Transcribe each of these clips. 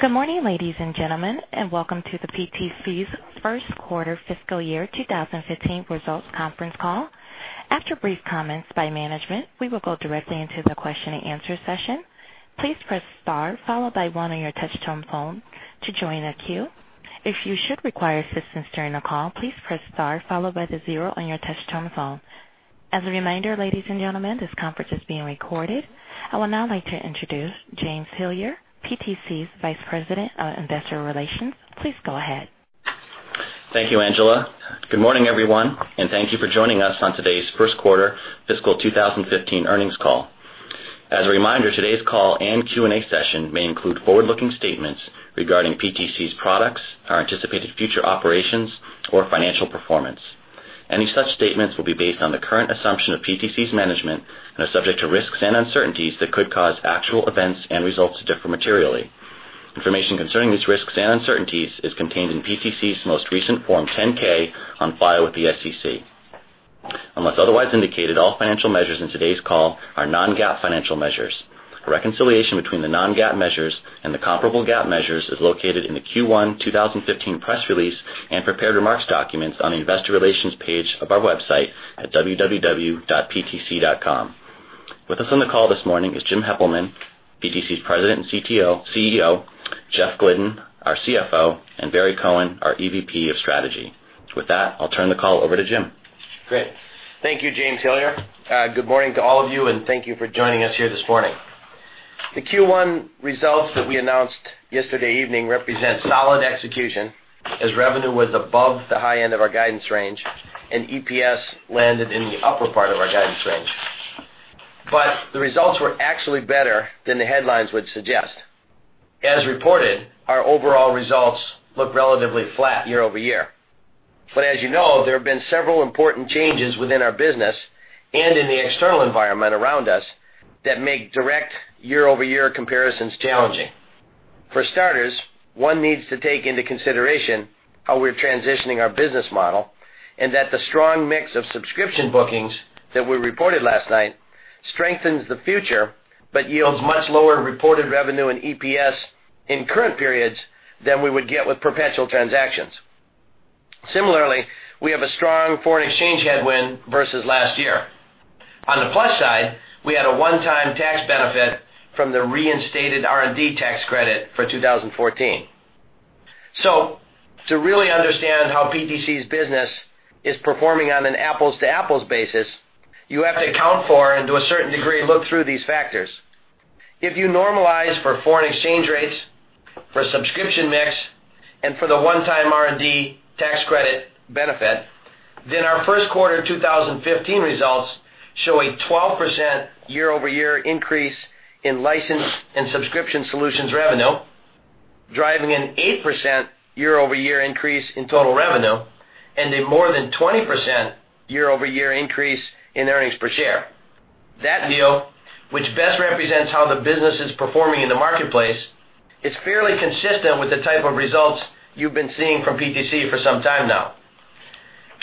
Good morning, ladies and gentlemen, welcome to the PTC's first quarter fiscal year 2015 results conference call. After brief comments by management, we will go directly into the question and answer session. Please press star followed by one on your touch-tone phone to join the queue. If you should require assistance during the call, please press star followed by zero on your touch-tone phone. As a reminder, ladies and gentlemen, this conference is being recorded. I would now like to introduce James Hillier, PTC's Vice President of Investor Relations. Please go ahead. Thank you, Angela. Good morning, everyone, thank you for joining us on today's first quarter fiscal 2015 earnings call. As a reminder, today's call and Q&A session may include forward-looking statements regarding PTC's products, our anticipated future operations or financial performance. Any such statements will be based on the current assumption of PTC's management and are subject to risks and uncertainties that could cause actual events and results to differ materially. Information concerning these risks and uncertainties is contained in PTC's most recent Form 10-K on file with the SEC. Unless otherwise indicated, all financial measures in today's call are non-GAAP financial measures. A reconciliation between the non-GAAP measures and the comparable GAAP measures is located in the Q1 2015 press release and prepared remarks documents on the investor relations page of our website at www.ptc.com. With us on the call this morning is Jim Heppelmann, PTC's President and CEO, Jeff Glidden, our CFO, Barry Cohen, our EVP of Strategy. With that, I'll turn the call over to Jim. Great. Thank you, James Hillier. Good morning to all of you, thank you for joining us here this morning. The Q1 results that we announced yesterday evening represent solid execution as revenue was above the high end of our guidance range, EPS landed in the upper part of our guidance range. The results were actually better than the headlines would suggest. As reported, our overall results look relatively flat year-over-year. As you know, there have been several important changes within our business and in the external environment around us that make direct year-over-year comparisons challenging. For starters, one needs to take into consideration how we're transitioning our business model, that the strong mix of subscription bookings that we reported last night strengthens the future but yields much lower reported revenue and EPS in current periods than we would get with perpetual transactions. Similarly, we have a strong foreign exchange headwind versus last year. On the plus side, we had a one-time tax benefit from the reinstated R&D tax credit for 2014. To really understand how PTC's business is performing on an apples-to-apples basis, you have to account for and to a certain degree, look through these factors. If you normalize for foreign exchange rates, for subscription mix, and for the one-time R&D tax credit benefit, our first quarter 2015 results show a 12% year-over-year increase in license and subscription solutions revenue, driving an 8% year-over-year increase in total revenue, and a more than 20% year-over-year increase in earnings per share. That view, which best represents how the business is performing in the marketplace, is fairly consistent with the type of results you've been seeing from PTC for some time now.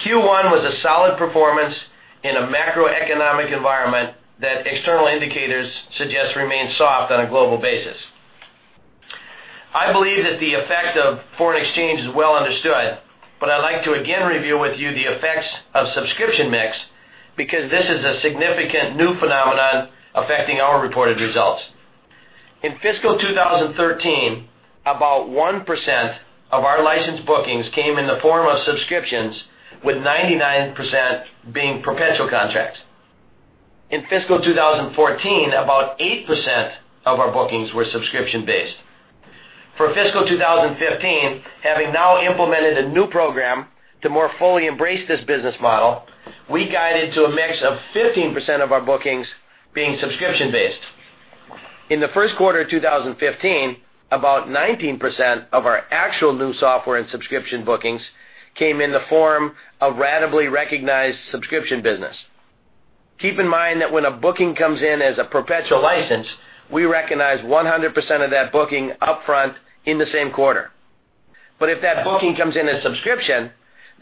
Q1 was a solid performance in a macroeconomic environment that external indicators suggest remains soft on a global basis. I believe that the effect of foreign exchange is well understood, but I'd like to again review with you the effects of subscription mix, because this is a significant new phenomenon affecting our reported results. In fiscal 2013, about 1% of our license bookings came in the form of subscriptions, with 99% being perpetual contracts. In fiscal 2014, about 8% of our bookings were subscription-based. For fiscal 2015, having now implemented a new program to more fully embrace this business model, we guided to a mix of 15% of our bookings being subscription-based. In the first quarter of 2015, about 19% of our actual new software and subscription bookings came in the form of ratably recognized subscription business. Keep in mind that when a booking comes in as a perpetual license, we recognize 100% of that booking upfront in the same quarter. If that booking comes in as subscription,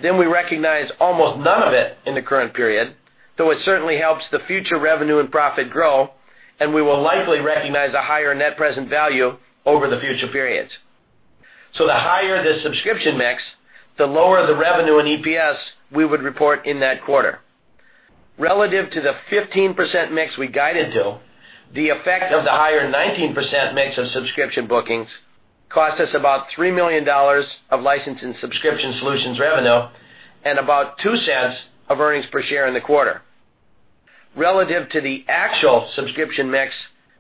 then we recognize almost none of it in the current period, though it certainly helps the future revenue and profit grow, and we will likely recognize a higher net present value over the future periods. The higher the subscription mix, the lower the revenue and EPS we would report in that quarter. Relative to the 15% mix we guided to, the effect of the higher 19% mix of subscription bookings cost us about $3 million of license and subscription solutions revenue and about $0.02 of earnings per share in the quarter. Relative to the actual subscription mix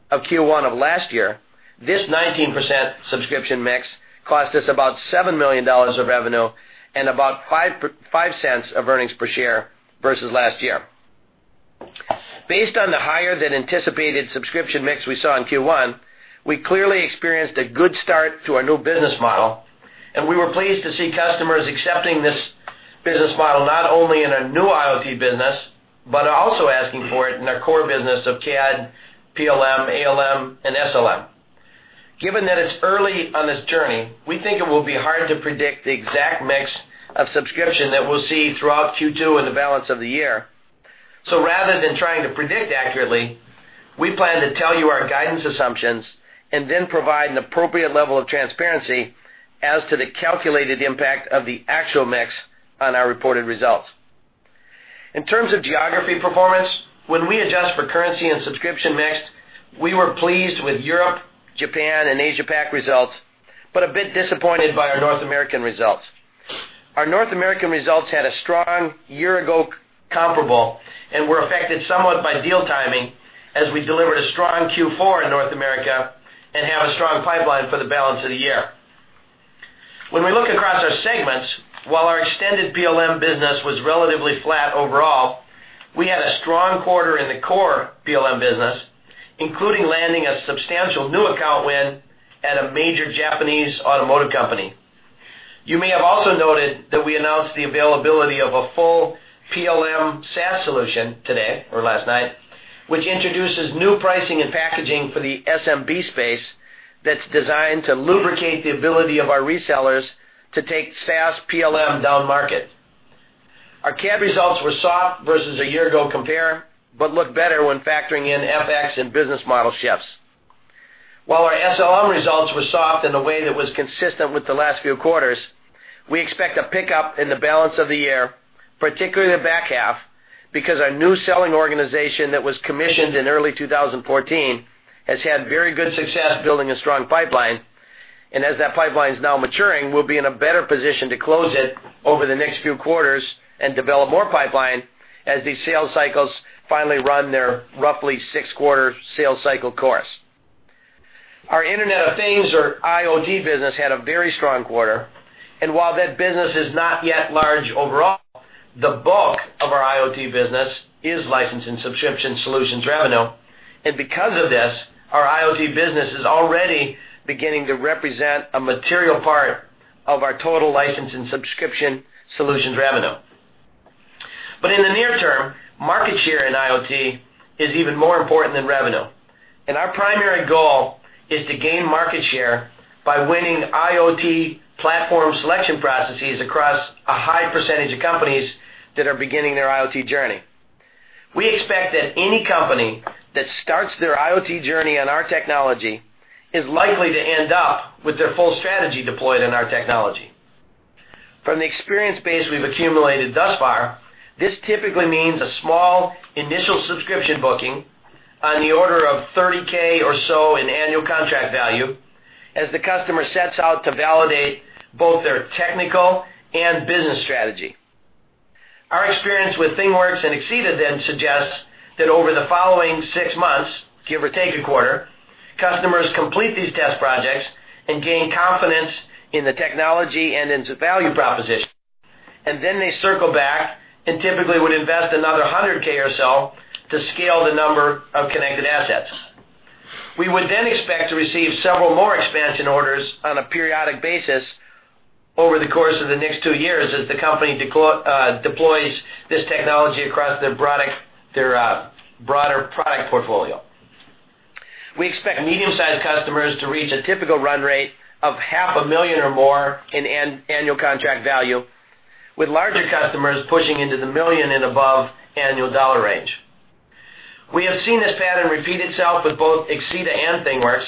of Q1 of last year, this 19% subscription mix cost us about $7 million of revenue and about $0.05 of earnings per share versus last year. Based on the higher than anticipated subscription mix we saw in Q1, we clearly experienced a good start to our new business model, and we were pleased to see customers accepting this business model not only in our new IoT business, but also asking for it in our core business of CAD, PLM, ALM and SLM. Given that it's early on this journey, we think it will be hard to predict the exact mix of subscription that we'll see throughout Q2 and the balance of the year. Rather than trying to predict accurately, we plan to tell you our guidance assumptions and then provide an appropriate level of transparency as to the calculated impact of the actual mix on our reported results. In terms of geography performance, when we adjust for currency and subscription mix, we were pleased with Europe, Japan, and Asia Pac results, but a bit disappointed by our North American results. Our North American results had a strong year-ago comparable and were affected somewhat by deal timing as we delivered a strong Q4 in North America and have a strong pipeline for the balance of the year. When we look across our segments, while our extended PLM business was relatively flat overall, we had a strong quarter in the core PLM business, including landing a substantial new account win at a major Japanese automotive company. You may have also noted that we announced the availability of a full PLM SaaS solution today or last night, which introduces new pricing and packaging for the SMB space that's designed to lubricate the ability of our resellers to take SaaS PLM down market. Our CAD results were soft versus a year-ago compare, but look better when factoring in FX and business model shifts. While our SLM results were soft in a way that was consistent with the last few quarters, we expect a pickup in the balance of the year, particularly the back half, because our new selling organization that was commissioned in early 2014 has had very good success building a strong pipeline. As that pipeline is now maturing, we'll be in a better position to close it over the next few quarters and develop more pipeline as these sales cycles finally run their roughly six-quarter sales cycle course. Our Internet of Things, or IoT business, had a very strong quarter. While that business is not yet large overall, the bulk of our IoT business is license and subscription solutions revenue. Because of this, our IoT business is already beginning to represent a material part of our total license and subscription solutions revenue. In the near term, market share in IoT is even more important than revenue, and our primary goal is to gain market share by winning IoT platform selection processes across a high % of companies that are beginning their IoT journey. We expect that any company that starts their IoT journey on our technology is likely to end up with their full strategy deployed on our technology. From the experience base we've accumulated thus far, this typically means a small initial subscription booking on the order of $30K or so in annual contract value as the customer sets out to validate both their technical and business strategy. Our experience with ThingWorx and Axeda then suggests that over the following six months, give or take a quarter, customers complete these test projects and gain confidence in the technology and in the value proposition, they circle back and typically would invest another $100K or so to scale the number of connected assets. We would expect to receive several more expansion orders on a periodic basis over the course of the next two years as the company deploys this technology across their broader product portfolio. We expect medium-sized customers to reach a typical run rate of half a million or more in annual contract value, with larger customers pushing into the $1 million and above annual dollar range. We have seen this pattern repeat itself with both Axeda and ThingWorx,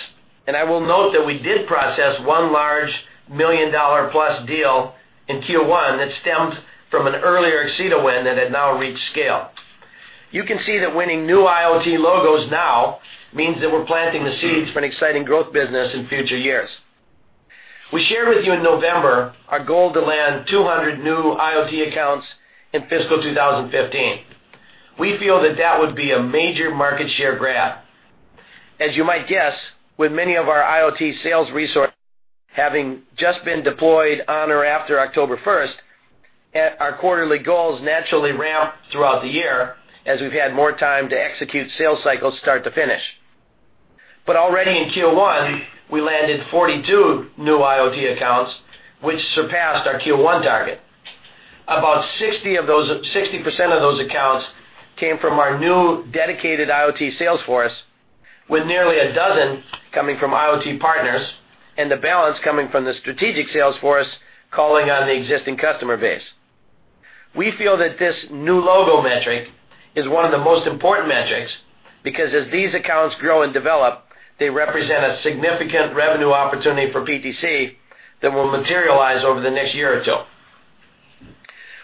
and I will note that we did process one large $1 million-plus deal in Q1 that stemmed from an earlier Axeda win that had now reached scale. You can see that winning new IoT logos now means that we're planting the seeds for an exciting growth business in future years. We shared with you in November our goal to land 200 new IoT accounts in fiscal 2015. We feel that that would be a major market share grab. As you might guess, with many of our IoT sales resources having just been deployed on or after October 1st, our quarterly goals naturally ramped throughout the year as we've had more time to execute sales cycles start to finish. Already in Q1, we landed 42 new IoT accounts, which surpassed our Q1 target. About 60% of those accounts came from our new dedicated IoT sales force, with nearly a dozen coming from IoT partners and the balance coming from the strategic sales force calling on the existing customer base. We feel that this new logo metric is one of the most important metrics because as these accounts grow and develop, they represent a significant revenue opportunity for PTC that will materialize over the next year or two.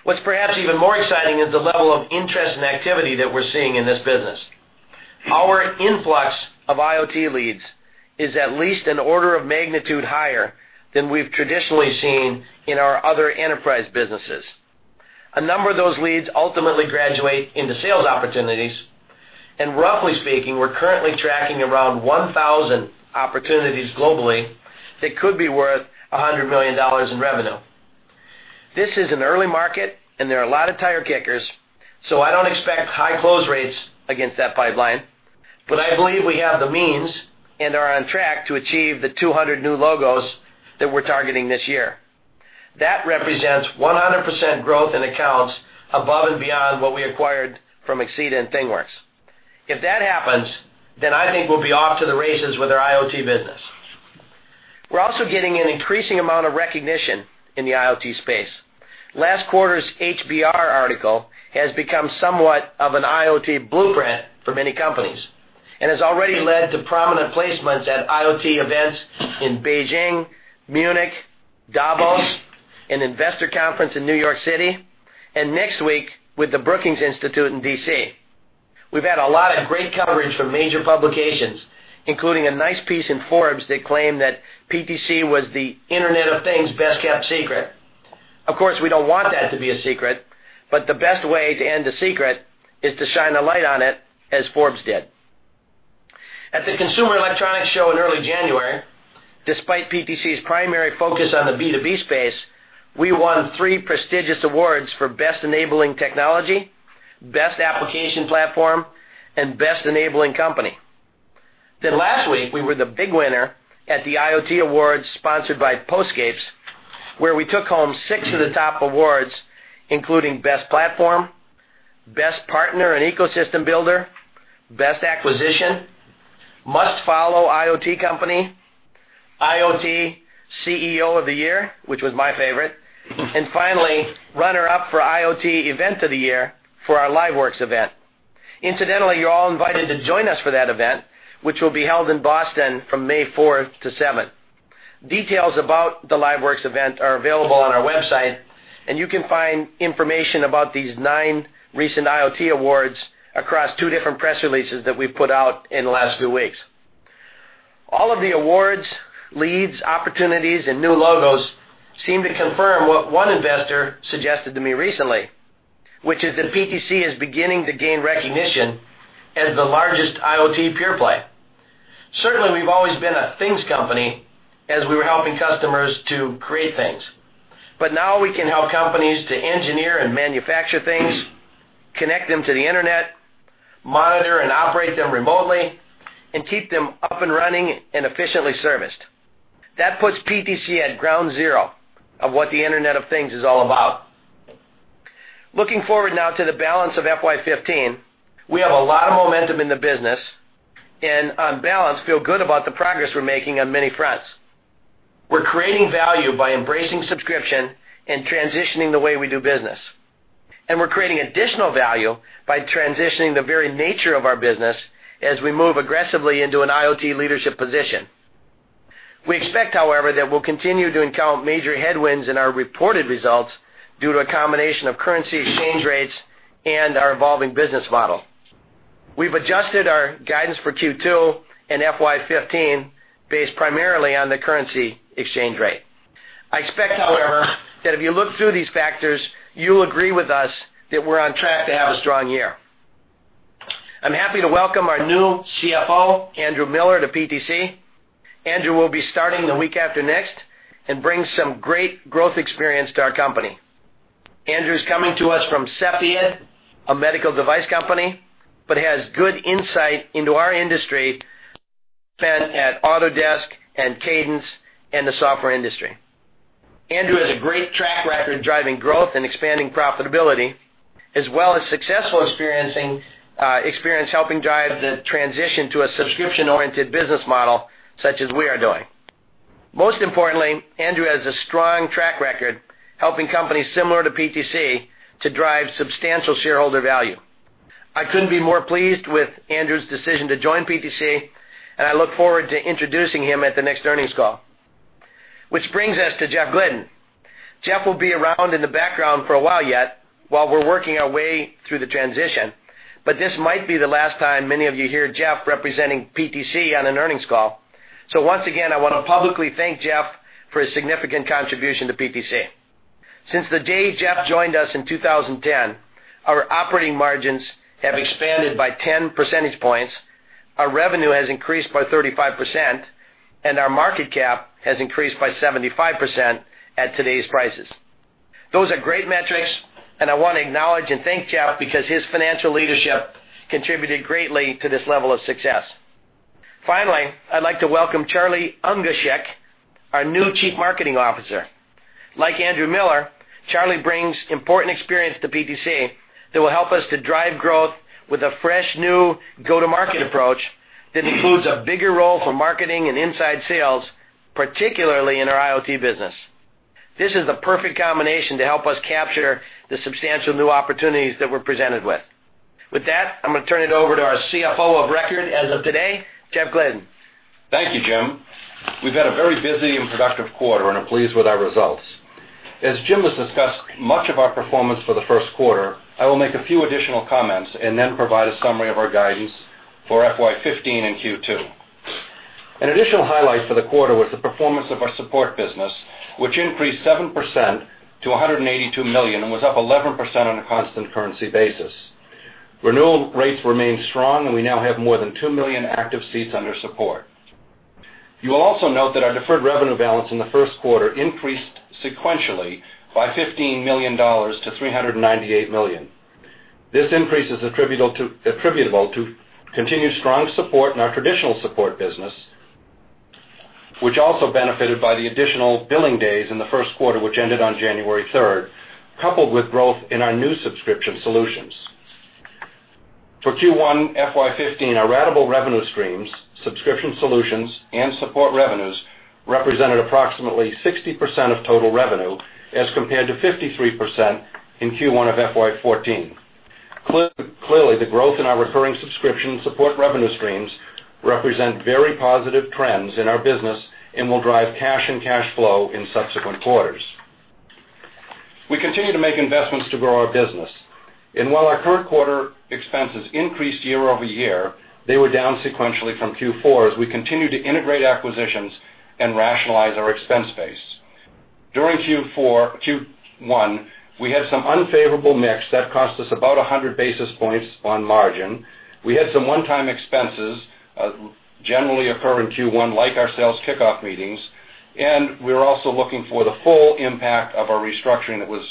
What's perhaps even more exciting is the level of interest and activity that we're seeing in this business. Our influx of IoT leads is at least an order of magnitude higher than we've traditionally seen in our other enterprise businesses. A number of those leads ultimately graduate into sales opportunities, and roughly speaking, we're currently tracking around 1,000 opportunities globally that could be worth $100 million in revenue. This is an early market and there are a lot of tire kickers, so I don't expect high close rates against that pipeline, but I believe we have the means and are on track to achieve the 200 new logos that we're targeting this year. That represents 100% growth in accounts above and beyond what we acquired from Axeda and ThingWorx. If that happens, I think we'll be off to the races with our IoT business. We're also getting an increasing amount of recognition in the IoT space. Last quarter's HBR article has become somewhat of an IoT blueprint for many companies, and has already led to prominent placements at IoT events in Beijing, Munich, Davos, an investor conference in New York City, and next week with the Brookings Institution in D.C. We've had a lot of great coverage from major publications, including a nice piece in Forbes that claimed that PTC was the Internet of Things best-kept secret. We don't want that to be a secret, but the best way to end a secret is to shine a light on it, as Forbes did. At the Consumer Electronics Show in early January, despite PTC's primary focus on the B2B space, we won three prestigious awards for Best Enabling Technology, Best Application Platform, and Best Enabling Company. Last week, we were the big winner at the IoT Awards sponsored by Postscapes, where we took home 6 of the top awards, including Best Platform, Best Partner and Ecosystem Builder, Best Acquisition, Must Follow IoT Company, IoT CEO of the Year, which was my favorite, and finally, runner-up for IoT Event of the Year for our LiveWorx event. Incidentally, you're all invited to join us for that event, which will be held in Boston from May fourth to seventh. Details about the LiveWorx event are available on our website, and you can find information about these 9 recent IoT Awards across two different press releases that we've put out in the last few weeks. All of the awards, leads, opportunities, and new logos seem to confirm what one investor suggested to me recently, which is that PTC is beginning to gain recognition as the largest IoT pure play. Certainly, we've always been a things company as we were helping customers to create things. Now we can help companies to engineer and manufacture things, connect them to the Internet, monitor and operate them remotely, and keep them up and running and efficiently serviced. That puts PTC at ground zero of what the Internet of Things is all about. Looking forward now to the balance of FY 2015, we have a lot of momentum in the business and on balance, feel good about the progress we're making on many fronts. We're creating value by embracing subscription and transitioning the way we do business. We're creating additional value by transitioning the very nature of our business as we move aggressively into an IoT leadership position. We expect, however, that we'll continue to encounter major headwinds in our reported results due to a combination of currency exchange rates and our evolving business model. We've adjusted our guidance for Q2 and FY 2015 based primarily on the currency exchange rate. I expect, however, that if you look through these factors, you'll agree with us that we're on track to have a strong year. I'm happy to welcome our new CFO, Andrew Miller, to PTC. Andrew will be starting the week after next and brings some great growth experience to our company. Andrew is coming to us from Cepheid, a medical device company, but has good insight into our industry spent at Autodesk and Cadence in the software industry. Andrew has a great track record driving growth and expanding profitability, as well as successful experience helping drive the transition to a subscription-oriented business model such as we are doing. Most importantly, Andrew has a strong track record helping companies similar to PTC to drive substantial shareholder value. I couldn't be more pleased with Andrew's decision to join PTC, and I look forward to introducing him at the next earnings call. Which brings us to Jeff Glidden. Jeff will be around in the background for a while yet while we're working our way through the transition, but this might be the last time many of you hear Jeff representing PTC on an earnings call. Once again, I want to publicly thank Jeff for his significant contribution to PTC. Since the day Jeff joined us in 2010, our operating margins have expanded by 10 percentage points, our revenue has increased by 35%, and our market cap has increased by 75% at today's prices. Those are great metrics, I want to acknowledge and thank Jeff because his financial leadership contributed greatly to this level of success. Finally, I'd like to welcome Charlie Ungashick, our new Chief Marketing Officer. Like Andrew Miller, Charlie brings important experience to PTC that will help us to drive growth with a fresh new go-to-market approach that includes a bigger role for marketing and inside sales, particularly in our IoT business. This is the perfect combination to help us capture the substantial new opportunities that we're presented with. With that, I'm going to turn it over to our CFO of record as of today, Jeff Glidden. Thank you, Jim. We've had a very busy and productive quarter and are pleased with our results. As Jim has discussed much of our performance for the first quarter, I will make a few additional comments and then provide a summary of our guidance for FY 2015 and Q2. An additional highlight for the quarter was the performance of our support business, which increased 7% to $182 million and was up 11% on a constant currency basis. Renewal rates remain strong, and we now have more than 2 million active seats under support. You will also note that our deferred revenue balance in the first quarter increased sequentially by $15 million to $398 million. This increase is attributable to continued strong support in our traditional support business, which also benefited by the additional billing days in the first quarter, which ended on January third, coupled with growth in our new subscription solutions. For Q1 FY 2015, our ratable revenue streams, subscription solutions, and support revenues represented approximately 60% of total revenue as compared to 53% in Q1 of FY 2014. Clearly, the growth in our recurring subscription support revenue streams represent very positive trends in our business and will drive cash and cash flow in subsequent quarters. While our current quarter expenses increased year-over-year, they were down sequentially from Q4 as we continue to integrate acquisitions and rationalize our expense base. During Q1, we had some unfavorable mix that cost us about 100 basis points on margin. We had some one-time expenses, generally occur in Q1, like our sales kickoff meetings, and we're also looking for the full impact of our restructuring that was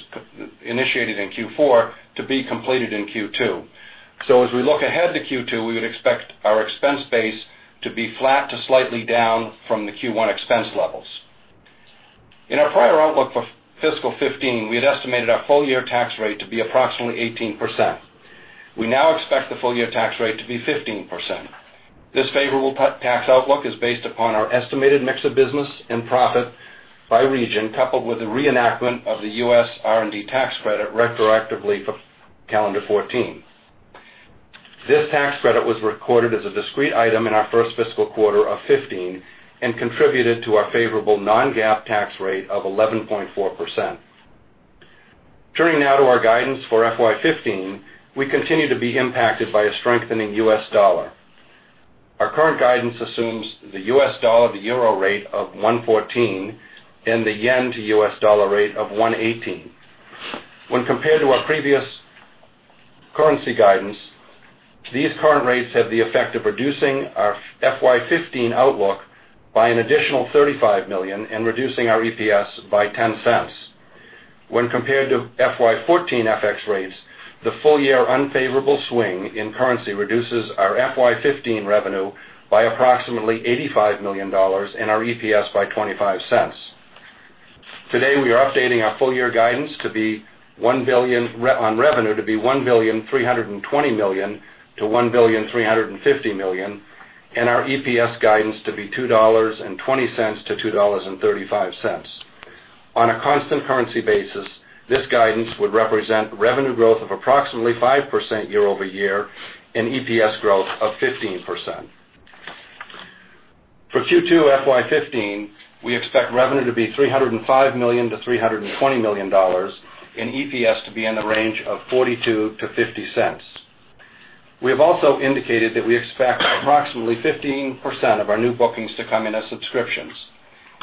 initiated in Q4 to be completed in Q2. As we look ahead to Q2, we would expect our expense base to be flat to slightly down from the Q1 expense levels. In our prior outlook for fiscal 2015, we had estimated our full-year tax rate to be approximately 18%. We now expect the full-year tax rate to be 15%. This favorable tax outlook is based upon our estimated mix of business and profit by region, coupled with the reenactment of the U.S. R&D tax credit retroactively for calendar 2014. This tax credit was recorded as a discrete item in our first fiscal quarter of 2015 and contributed to our favorable non-GAAP tax rate of 11.4%. Turning now to our guidance for FY 2015, we continue to be impacted by a strengthening U.S. dollar. Our current guidance assumes the U.S. dollar to EUR rate of 114 and the JPY to U.S. dollar rate of 118. When compared to our previous currency guidance, these current rates have the effect of reducing our FY 2015 outlook by an additional $35 million and reducing our EPS by $0.10. When compared to FY 2014 FX rates, the full-year unfavorable swing in currency reduces our FY 2015 revenue by approximately $85 million and our EPS by $0.25. Today, we are updating our full-year guidance on revenue to be $1,320 million-$1,350 million, and our EPS guidance to be $2.20-$2.35. On a constant currency basis, this guidance would represent revenue growth of approximately 5% year-over-year and EPS growth of 15%. For Q2 FY 2015, we expect revenue to be $305 million-$320 million, and EPS to be in the range of $0.42-$0.50. We have also indicated that we expect approximately 15% of our new bookings to come in as subscriptions.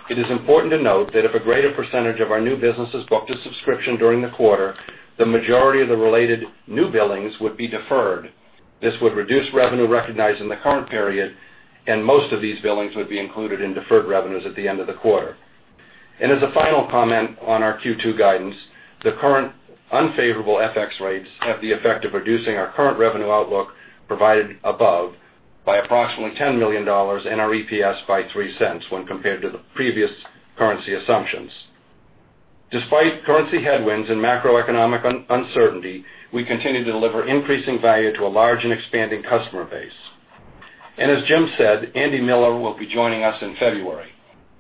It is important to note that if a greater percentage of our new business is booked as subscription during the quarter, the majority of the related new billings would be deferred. This would reduce revenue recognized in the current period, and most of these billings would be included in deferred revenues at the end of the quarter. As a final comment on our Q2 guidance, the current unfavorable FX rates have the effect of reducing our current revenue outlook provided above by approximately $10 million and our EPS by $0.03 when compared to the previous currency assumptions. Despite currency headwinds and macroeconomic uncertainty, we continue to deliver increasing value to a large and expanding customer base. As Jim said, Andy Miller will be joining us in February.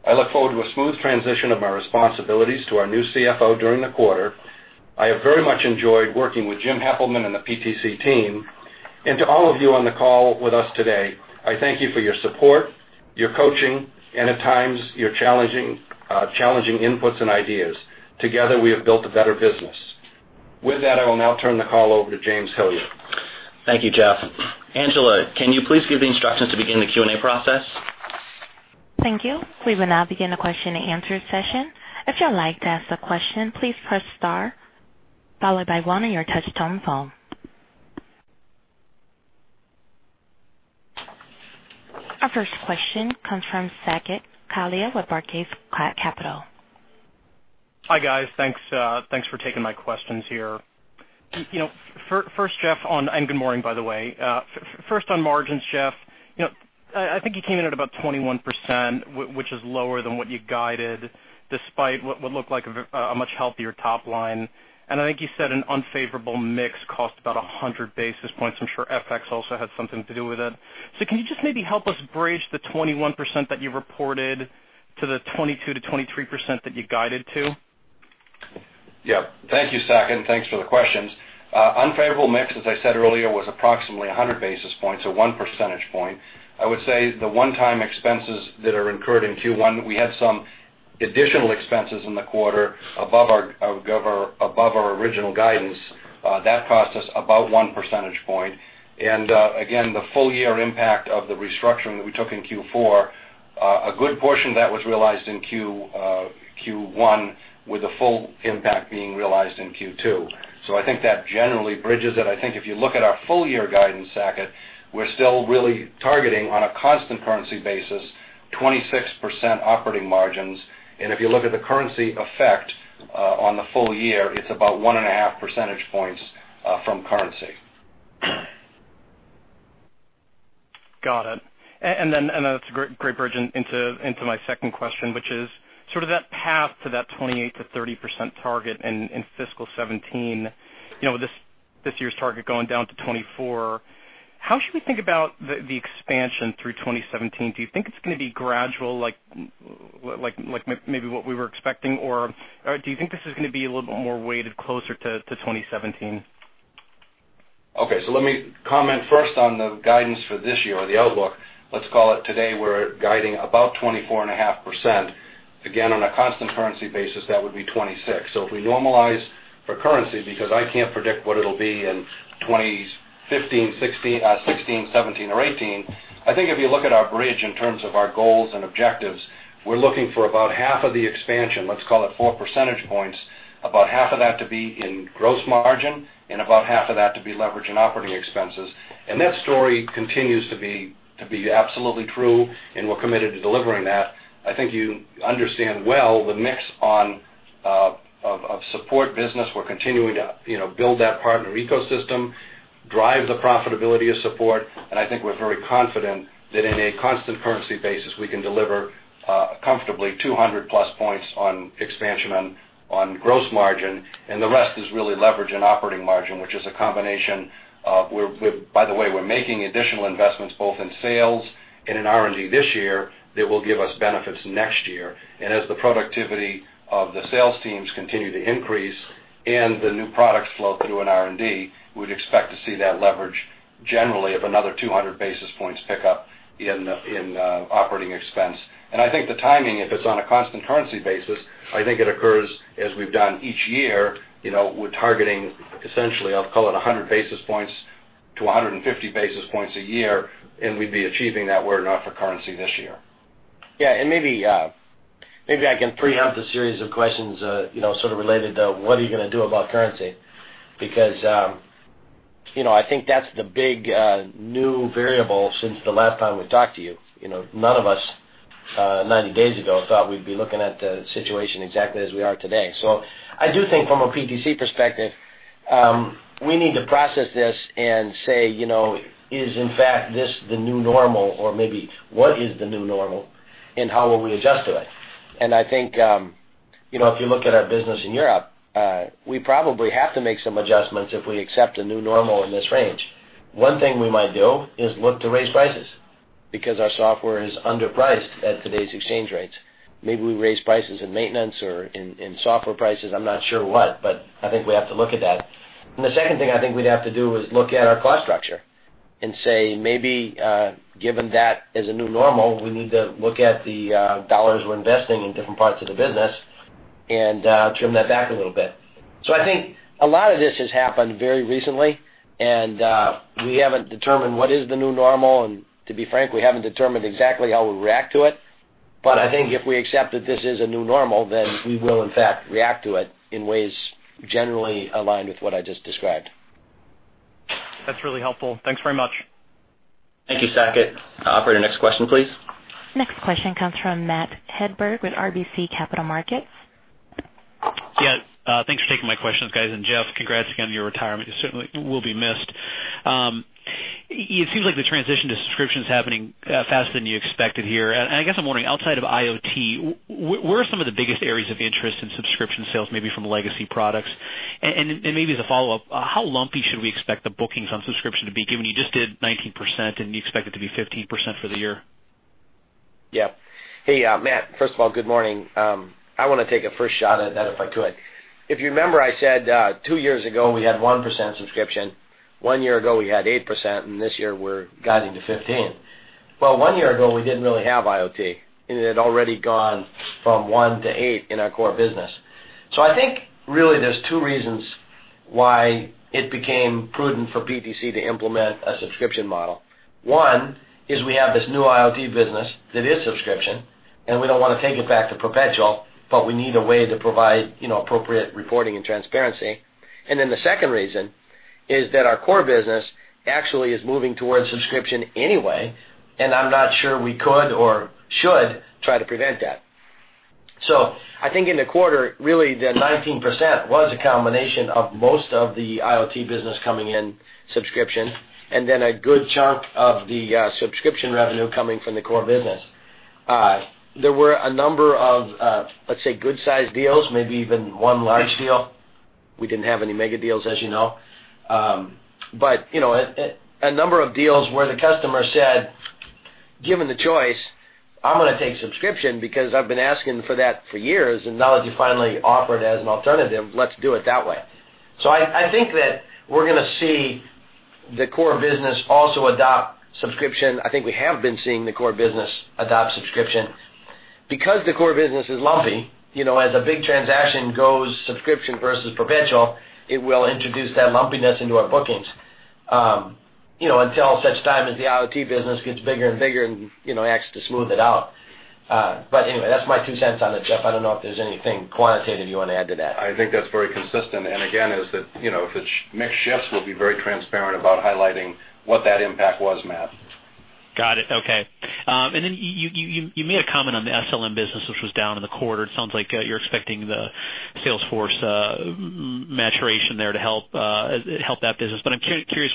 I look forward to a smooth transition of my responsibilities to our new CFO during the quarter. I have very much enjoyed working with Jim Heppelmann and the PTC team. To all of you on the call with us today, I thank you for your support, your coaching, and at times, your challenging inputs and ideas. Together, we have built a better business. With that, I will now turn the call over to James Hillier. Thank you, Jeff. Angela, can you please give the instructions to begin the Q&A process? Thank you. We will now begin the question and answer session. If you'd like to ask a question, please press star followed by one on your touch-tone phone. Our first question comes from Saket Kalia with Barclays Capital. Hi, guys. Thanks for taking my questions here. Good morning, by the way. First on margins, Jeff, I think you came in at about 21%, which is lower than what you guided despite what looked like a much healthier top line. I think you said an unfavorable mix cost about 100 basis points. I'm sure FX also had something to do with it. Can you just maybe help us bridge the 21% that you reported to the 22%-23% that you guided to? Yeah. Thank you, Saket, and thanks for the questions. Unfavorable mix, as I said earlier, was approximately 100 basis points, so one percentage point. I would say the one-time expenses that are incurred in Q1, we had some additional expenses in the quarter above our original guidance. That cost us about one percentage point. Again, the full-year impact of the restructuring that we took in Q4, a good portion of that was realized in Q1 with the full impact being realized in Q2. I think that generally bridges it. I think if you look at our full-year guidance, Saket, we're still really targeting on a constant currency basis, 26% operating margins. If you look at the currency effect on the full year, it's about one and a half percentage points from currency. Got it. That's a great bridge into my second question, which is sort of that path to that 28%-30% target in fiscal 2017. With this year's target going down to 24%, how should we think about the expansion through 2017? Do you think it's going to be gradual, like maybe what we were expecting? Do you think this is going to be a little bit more weighted closer to 2017? Let me comment first on the guidance for this year or the outlook, let's call it. Today, we're guiding about 24.5%. Again, on a constant currency basis, that would be 26. If we normalize for currency, because I can't predict what it'll be in 2015, 2016, 2017, or 2018, I think if you look at our bridge in terms of our goals and objectives, we're looking for about half of the expansion, let's call it four percentage points, about half of that to be in gross margin and about half of that to be leverage in operating expenses. That story continues to be absolutely true, and we're committed to delivering that. I think you understand well the mix of support business. We're continuing to build that partner ecosystem, drive the profitability of support, and I think we're very confident that in a constant currency basis, we can deliver comfortably 200-plus points on expansion on gross margin. The rest is really leverage and operating margin, which is a combination of, by the way, we're making additional investments both in sales and in R&D this year that will give us benefits next year. As the productivity of the sales teams continue to increase and the new products flow through in R&D, we'd expect to see that leverage generally of another 200 basis points pick up in operating expense. I think the timing, if it's on a constant currency basis, I think it occurs as we've done each year. We're targeting essentially, I'll call it 100 basis points to 150 basis points a year. We'd be achieving that were it not for currency this year. Maybe I can preempt a series of questions sort of related to what are you going to do about currency? I think that's the big, new variable since the last time we talked to you. None of us, 90 days ago, thought we'd be looking at the situation exactly as we are today. I do think from a PTC perspective, we need to process this and say, is in fact this the new normal or maybe what is the new normal and how will we adjust to it? I think, if you look at our business in Europe, we probably have to make some adjustments if we accept a new normal in this range. One thing we might do is look to raise prices because our software is underpriced at today's exchange rates. Maybe we raise prices in maintenance or in software prices. I'm not sure what, but I think we have to look at that. The second thing I think we'd have to do is look at our cost structure and say, maybe, given that as a new normal, we need to look at the dollars we're investing in different parts of the business and trim that back a little bit. I think a lot of this has happened very recently, and we haven't determined what is the new normal, and to be frank, we haven't determined exactly how we'll react to it. I think if we accept that this is a new normal, then we will in fact react to it in ways generally aligned with what I just described. That's really helpful. Thanks very much. Thank you, Saket. Operator, next question, please. Next question comes from Matthew Hedberg with RBC Capital Markets. Thanks for taking my questions, guys, and Jeff, congrats again on your retirement. You certainly will be missed. It seems like the transition to subscription's happening faster than you expected here, I guess I'm wondering, outside of IoT, where are some of the biggest areas of interest in subscription sales, maybe from legacy products? Maybe as a follow-up, how lumpy should we expect the bookings on subscription to be, given you just did 19% and you expect it to be 15% for the year? Yeah. Hey, Matt. First of all, good morning. I want to take a first shot at that, if I could. If you remember, I said, 2 years ago, we had 1% subscription. 1 year ago, we had 8%, this year we're guiding to 15%. Well, 1 year ago, we didn't really have IoT, it had already gone from 1 to 8 in our core business. I think really there's 2 reasons why it became prudent for PTC to implement a subscription model. 1 is we have this new IoT business that is subscription, we don't want to take it back to perpetual, we need a way to provide appropriate reporting and transparency. The second reason is that our core business actually is moving towards subscription anyway, I'm not sure we could or should try to prevent that. I think in the quarter, really, the 19% was a combination of most of the IoT business coming in subscription, a good chunk of the subscription revenue coming from the core business. There were a number of, let's say, good-sized deals, maybe even 1 large deal. We didn't have any mega deals, as you know. A number of deals where the customer said, "Given the choice, I'm going to take subscription because I've been asking for that for years, now that you finally offer it as an alternative, let's do it that way." I think that we're going to see the core business also adopt subscription. I think we have been seeing the core business adopt subscription. Because the core business is lumpy, as a big transaction goes subscription versus perpetual, it will introduce that lumpiness into our bookings, until such time as the IoT business gets bigger and bigger and acts to smooth it out. Anyway, that's my 2 cents on it, Jeff. I don't know if there's anything quantitative you want to add to that. I think that's very consistent. Again, as the mix shifts, we'll be very transparent about highlighting what that impact was, Matt. Got it. Okay. Then you made a comment on the SLM business, which was down in the quarter. It sounds like you're expecting the sales force maturation there to help that business. I'm curious,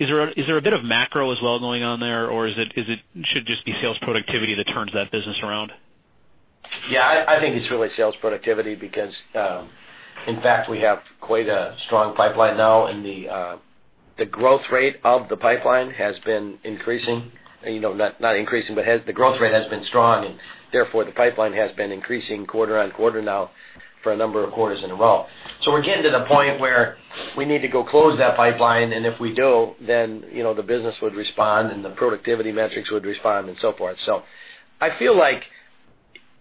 is there a bit of macro as well going on there, or should it just be sales productivity that turns that business around? Yeah, I think it's really sales productivity because, in fact, we have quite a strong pipeline now. The growth rate of the pipeline has been increasing. Not increasing, but the growth rate has been strong. Therefore, the pipeline has been increasing quarter-on-quarter now for a number of quarters in a row. We're getting to the point where we need to go close that pipeline. If we do, then the business would respond. The productivity metrics would respond, so forth. I feel like,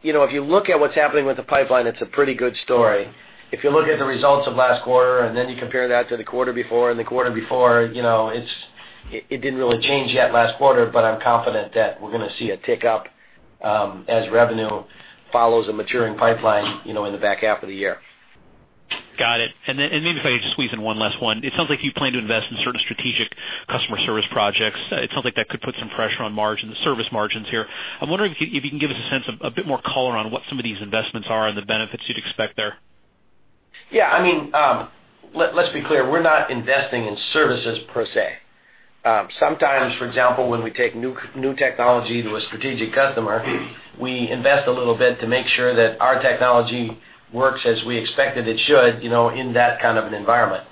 if you look at what's happening with the pipeline, it's a pretty good story. If you look at the results of last quarter, then you compare that to the quarter before and the quarter before, it didn't really change yet last quarter. I'm confident that we're going to see a tick up as revenue follows a maturing pipeline in the back half of the year. Got it. Maybe if I could just squeeze in one last one. It sounds like you plan to invest in certain strategic customer service projects. It sounds like that could put some pressure on the service margins here. I'm wondering if you can give us a sense of, a bit more color on what some of these investments are and the benefits you'd expect there. Yeah. Let's be clear. We're not investing in services per se. Sometimes, for example, when we take new technology to a strategic customer, we invest a little bit to make sure that our technology works as we expect that it should in that kind of an environment.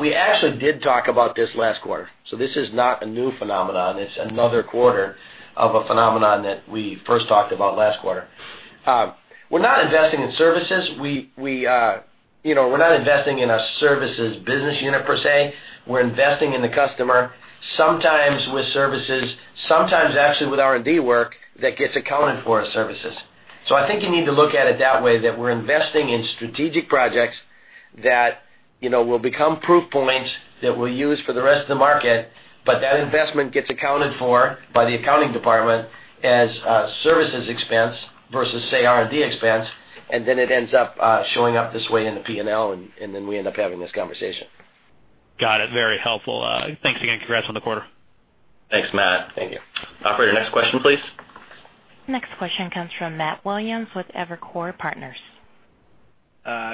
We actually did talk about this last quarter, this is not a new phenomenon. It's another quarter of a phenomenon that we first talked about last quarter. We're not investing in services. We're not investing in a services business unit per se. We're investing in the customer, sometimes with services, sometimes actually with R&D work that gets accounted for as services. I think you need to look at it that way, that we're investing in strategic projects that will become proof points that we'll use for the rest of the market. That investment gets accounted for by the accounting department as a services expense versus, say, R&D expense, it ends up showing up this way in the P&L, we end up having this conversation. Got it. Very helpful. Thanks again. Congrats on the quarter. Thanks, Matt. Thank you. Operator, next question, please. Next question comes from Matthew Williams with Evercore Partners.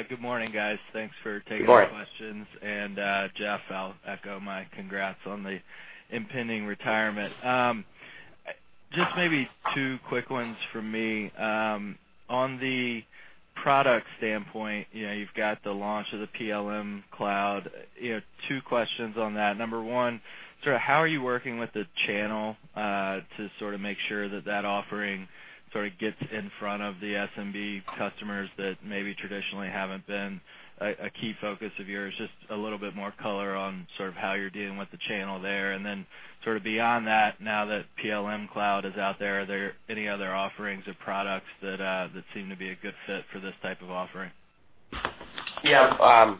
Good morning, guys. Thanks for taking questions. Good morning. Jeff, I'll echo my congrats on the impending retirement. Just maybe two quick ones from me. On the product standpoint, you've got the launch of the PLM Cloud. Two questions on that. Number one, how are you working with the channel to make sure that that offering gets in front of the SMB customers that maybe traditionally haven't been a key focus of yours? Just a little bit more color on how you're dealing with the channel there. Then beyond that, now that PLM Cloud is out there, are there any other offerings or products that seem to be a good fit for this type of offering? Yeah.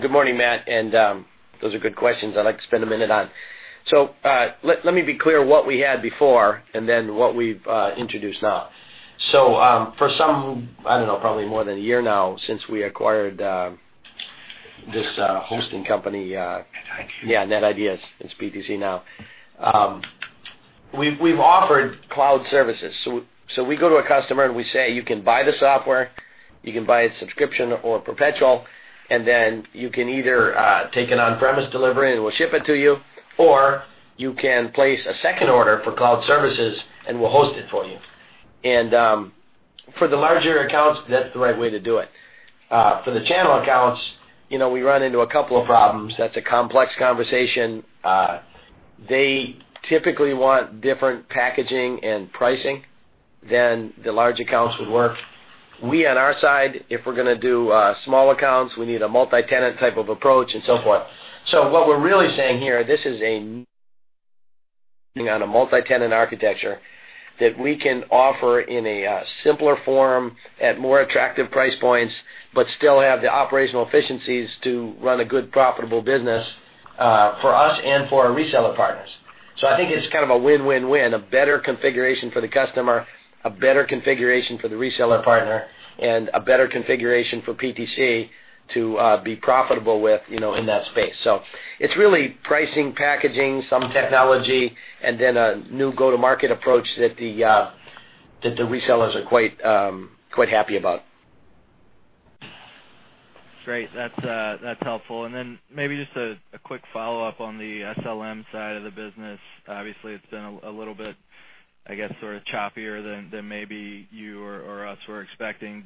Good morning, Matt. Those are good questions I'd like to spend a minute on. Let me be clear what we had before, and then what we've introduced now. For some, I don't know, probably more than a year now since we acquired this hosting company, NetIDEAS, Inc., it's PTC now. We've offered cloud services. We go to a customer, and we say, "You can buy the software, you can buy a subscription or perpetual, and then you can either take an on-premise delivery, and we'll ship it to you, or you can place a second order for cloud services, and we'll host it for you." For the larger accounts, that's the right way to do it. For the channel accounts, we run into a couple of problems. That's a complex conversation. They typically want different packaging and pricing than the large accounts would work. We, on our side, if we're going to do small accounts, we need a multi-tenant type of approach and so forth. What we're really saying here, this is on a multi-tenant architecture that we can offer in a simpler form at more attractive price points, but still have the operational efficiencies to run a good, profitable business for us and for our reseller partners. I think it's kind of a win-win-win, a better configuration for the customer, a better configuration for the reseller partner, and a better configuration for PTC to be profitable with in that space. It's really pricing, packaging, some technology, and then a new go-to-market approach that the resellers are quite happy about. Great. That's helpful. Then maybe just a quick follow-up on the SLM side of the business. Obviously, it's been a little bit choppier than maybe you or us were expecting.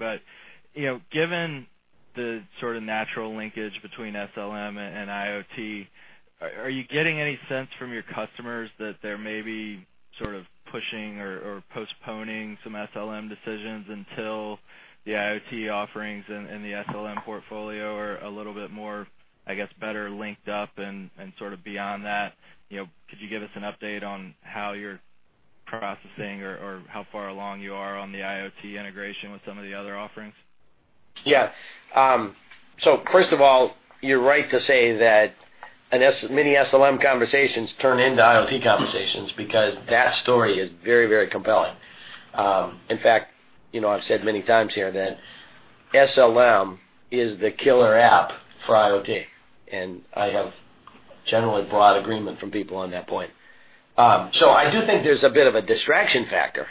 Given the sort of natural linkage between SLM and IoT, are you getting any sense from your customers that they may be pushing or postponing some SLM decisions until the IoT offerings in the SLM portfolio are a little bit more better linked up? Sort of beyond that, could you give us an update on how you're processing or how far along you are on the IoT integration with some of the other offerings? Yeah. First of all, you're right to say that many SLM conversations turn into IoT conversations because that story is very compelling. In fact, I've said many times here that SLM is the killer app for IoT. Generally broad agreement from people on that point. I do think there's a bit of a distraction factor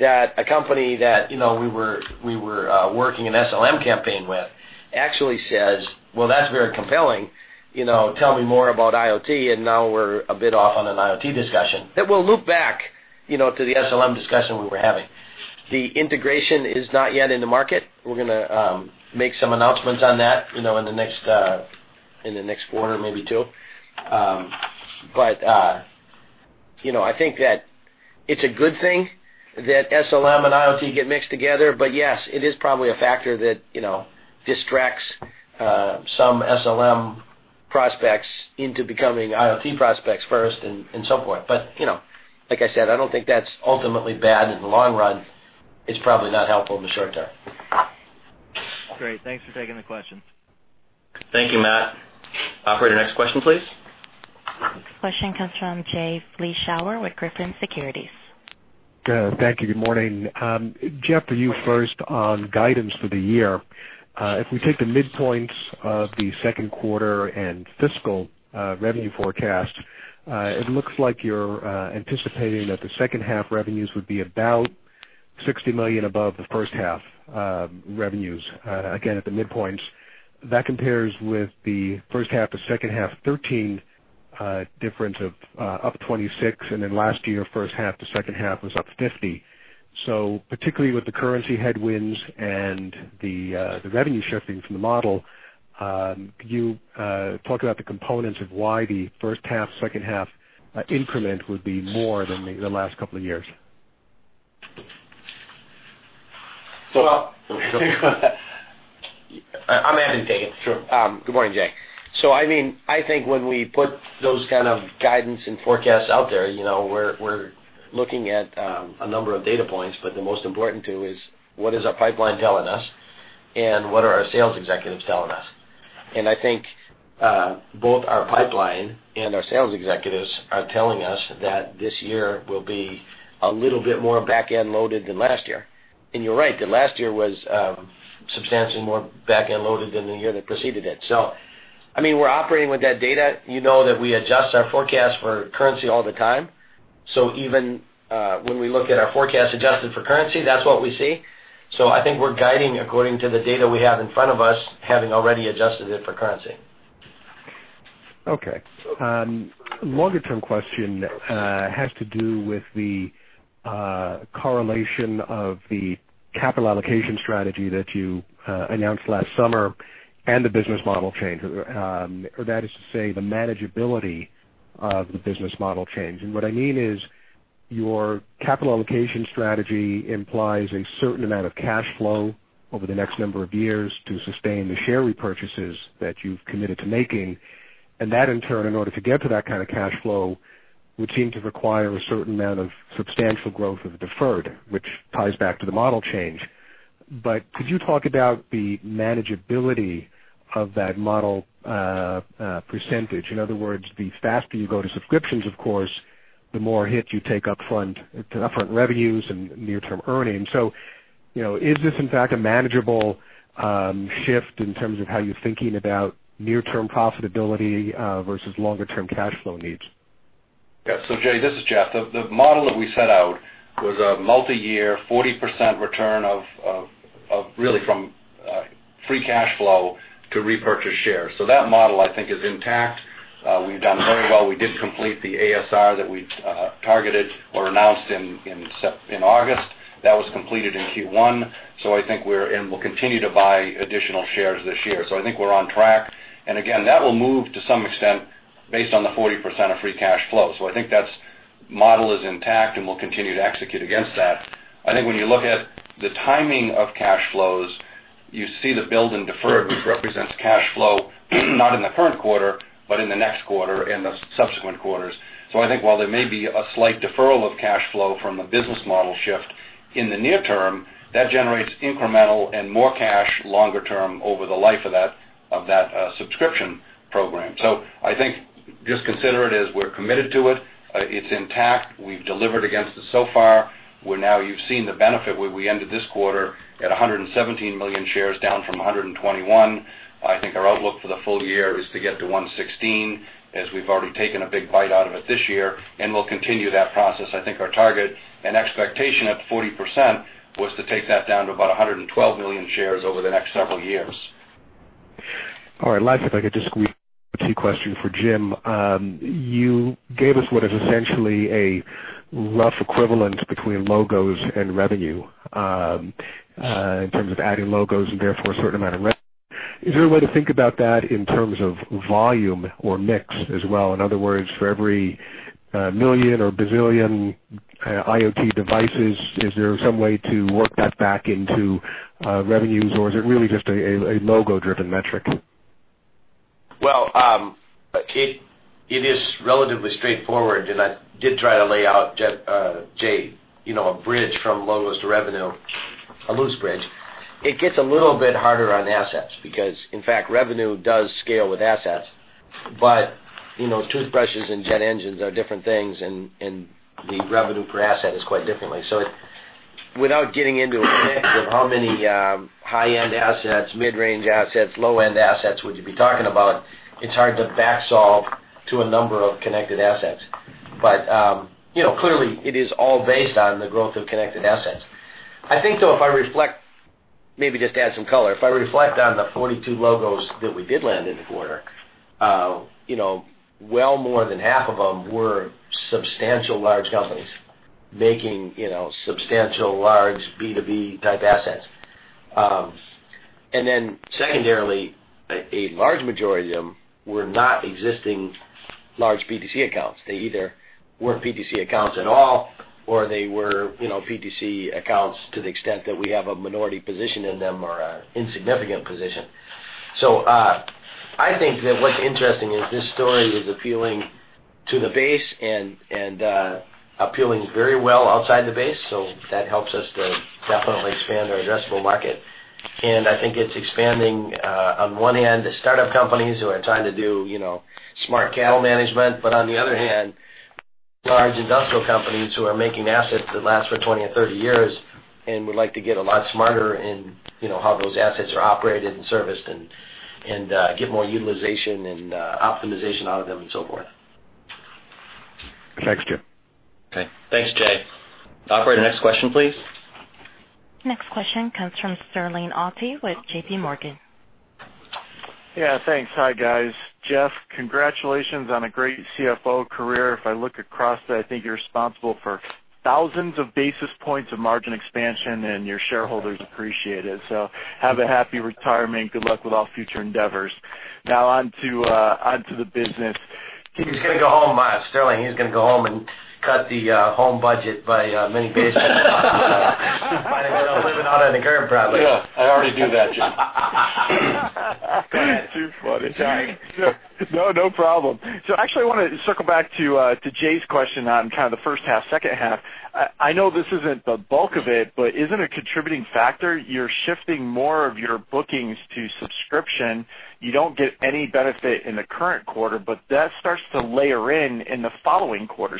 that a company that we were working an SLM campaign with actually says, "Well, that's very compelling. Tell me more about IoT." Now we're a bit off on an IoT discussion that we'll loop back to the SLM discussion we were having. The integration is not yet in the market. We're going to make some announcements on that in the next quarter, maybe two. I think that it's a good thing that SLM and IoT get mixed together. Yes, it is probably a factor that distracts some SLM prospects into becoming IoT prospects first and so forth. Like I said, I don't think that's ultimately bad in the long run. It's probably not helpful in the short term. Great. Thanks for taking the question. Thank you, Matt. Operator, next question, please. Question comes from Jay Vleeschhouwer with Griffin Securities. Good. Thank you. Good morning. Jeff, to you first on guidance for the year. If we take the midpoints of the second quarter and fiscal revenue forecast, it looks like you're anticipating that the second half revenues would be about $60 million above the first half revenues, again, at the midpoints. That compares with the first half to second half 2013 difference of up $26 million, and then last year, first half to second half was up $50 million. Particularly with the currency headwinds and the revenue shifting from the model, could you talk about the components of why the first half, second half increment would be more than the last couple of years? I'm happy to take it. Sure. Good morning, Jay. I think when we put those kind of guidance and forecasts out there, we're looking at a number of data points, but the most important two is what is our pipeline telling us and what are our sales executives telling us. I think both our pipeline and our sales executives are telling us that this year will be a little bit more back-end loaded than last year. You're right, that last year was substantially more back-end loaded than the year that preceded it. We're operating with that data. You know that we adjust our forecast for currency all the time. Even when we look at our forecast adjusted for currency, that's what we see. I think we're guiding according to the data we have in front of us, having already adjusted it for currency. Okay. Longer-term question has to do with the correlation of the capital allocation strategy that you announced last summer and the business model change, or that is to say, the manageability of the business model change. What I mean is your capital allocation strategy implies a certain amount of cash flow over the next number of years to sustain the share repurchases that you've committed to making. That, in turn, in order to get to that kind of cash flow, would seem to require a certain amount of substantial growth of deferred, which ties back to the model change. Could you talk about the manageability of that model percentage? In other words, the faster you go to subscriptions, of course, the more hit you take upfront revenues and near-term earnings. Is this in fact a manageable shift in terms of how you're thinking about near-term profitability versus longer-term cash flow needs? Jay, this is Jeff. The model that we set out was a multi-year, 40% return of really from free cash flow to repurchase shares. That model, I think, is intact. We've done very well. We did complete the ASR that we targeted or announced in August. That was completed in Q1. I think we'll continue to buy additional shares this year. I think we're on track. And again, that will move to some extent based on the 40% of free cash flow. I think that model is intact, and we'll continue to execute against that. I think when you look at the timing of cash flows, you see the build and deferred, which represents cash flow, not in the current quarter, but in the next quarter and the subsequent quarters. I think while there may be a slight deferral of cash flow from a business model shift in the near term, that generates incremental and more cash longer term over the life of that subscription program. I think just consider it as we're committed to it. It's intact. We've delivered against it so far. Now you've seen the benefit where we ended this quarter at 117 million shares, down from 121. I think our outlook for the full year is to get to 116, as we've already taken a big bite out of it this year, and we'll continue that process. I think our target and expectation at 40% was to take that down to about 112 million shares over the next several years. All right. Last, if I could just squeeze a two-question for Jim. You gave us what is essentially a rough equivalent between logos and revenue, in terms of adding logos and therefore a certain amount of is there a way to think about that in terms of volume or mix as well? In other words, for every million or bazillion IoT devices, is there some way to work that back into revenues, or is it really just a logo-driven metric? It is relatively straightforward, and I did try to lay out, Jay, a bridge from logos to revenue, a loose bridge. It gets a little bit harder on assets because, in fact, revenue does scale with assets. But toothbrushes and jet engines are different things, and the revenue per asset is quite differently. Without getting into a mix of how many high-end assets, mid-range assets, low-end assets would you be talking about, it's hard to back solve to a number of connected assets. But clearly, it is all based on the growth of connected assets. I think, though, if I reflect, maybe just to add some color, if I reflect on the 42 logos that we did land in the quarter, well more than half of them were substantial large companies making substantial large B2B type assets. Secondarily, a large majority of them were not existing large PTC accounts. They either weren't PTC accounts at all, or they were PTC accounts to the extent that we have a minority position in them or an insignificant position. I think that what's interesting is this story is appealing to the base and appealing very well outside the base, that helps us to definitely expand our addressable market. I think it's expanding on one hand to startup companies who are trying to do smart cattle management, but on the other hand, large industrial companies who are making assets that last for 20 or 30 years and would like to get a lot smarter in how those assets are operated and serviced and get more utilization and optimization out of them and so forth. Thanks, Jeff. Okay. Thanks, Jay. Operator next question, please. Next question comes from Sterling Auty with JPMorgan. Thanks. Hi guys. Jeff, congratulations on a great CFO career. If I look across it, I think you're responsible for thousands of basis points of margin expansion, and your shareholders appreciate it. Have a happy retirement. Good luck with all future endeavors. On to the business. Sterling, he's going to go home and cut the home budget by many basis points. Might end up living out on the curb probably. Yeah, I already do that, Jim. Too funny. No problem. Actually, I want to circle back to Jay's question on kind of the first half, second half. I know this isn't the bulk of it, but is it a contributing factor? You're shifting more of your bookings to subscription. You don't get any benefit in the current quarter, but that starts to layer in in the following quarter.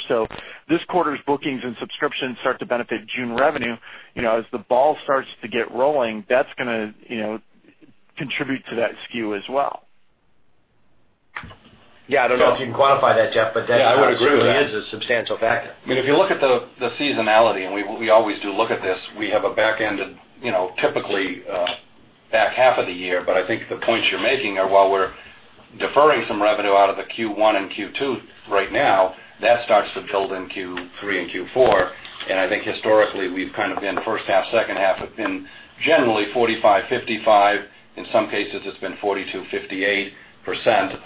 This quarter's bookings and subscriptions start to benefit June revenue. As the ball starts to get rolling, that's going to contribute to that skew as well. Yeah, I don't know if you can quantify that, Jeff, that certainly is a substantial factor. I would agree with that. If you look at the seasonality, we always do look at this, we have a back end of typically back half of the year, I think the points you're making are while we're deferring some revenue out of the Q1 and Q2 right now, that starts to build in Q3 and Q4. I think historically, we've kind of been first half, second half have been generally 45/55. In some cases, it's been 42/58%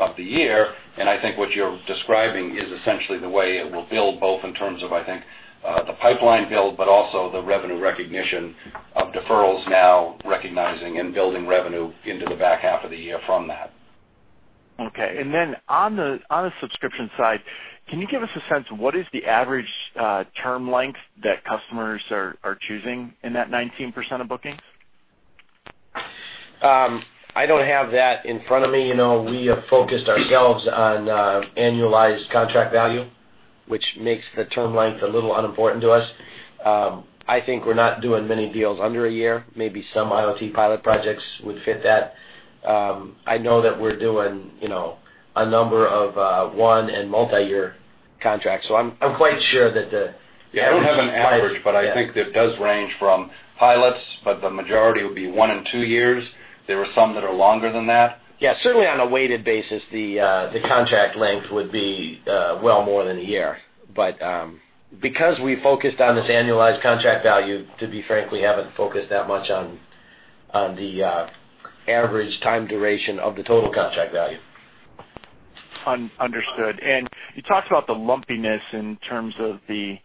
of the year. I think what you're describing is essentially the way it will build both in terms of, I think, the pipeline build, but also the revenue recognition of deferrals now recognizing and building revenue into the back half of the year from that. Okay. Then on the subscription side, can you give us a sense of what is the average term length that customers are choosing in that 19% of bookings? I don't have that in front of me. We have focused ourselves on annualized contract value, which makes the term length a little unimportant to us. I think we're not doing many deals under a year. Maybe some IoT pilot projects would fit that. I know that we're doing a number of one and multi-year contracts, so I'm quite sure that. Yeah, I don't have an average, I think it does range from pilots, but the majority would be one and two years. There are some that are longer than that. Yeah, certainly on a weighted basis, the contract length would be well more than a year. Because we focused on this annualized contract value, to be frank, we haven't focused that much on the average time duration of the total contract value. Understood. You talked about the lumpiness in terms of the